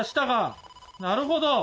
なるほど！